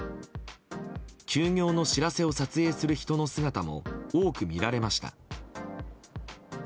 休業の知らせを撮影する人の姿も多く見られました。